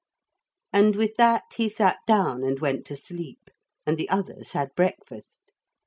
And with that he sat down and went to sleep, and the others had breakfast.